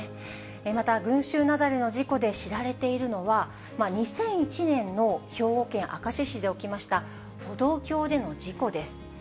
また、群衆雪崩の事故で知られているのは、２００１年の兵庫県明石市で起きました歩道橋での事故です。